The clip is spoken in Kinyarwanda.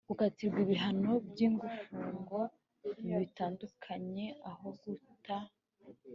Gukatirwa ibihano by igifungo bitandukanye aho guta